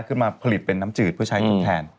ขึ้นมาผลิตเป็นน้ำจืดเพื่อใช้ทดแทน